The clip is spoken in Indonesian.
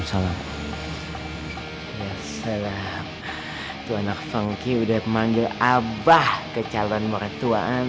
selamat selamat tuan akhfangki udah manggel abah ke calon maret tuan